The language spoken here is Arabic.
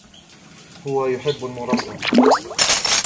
هو يحب المربى.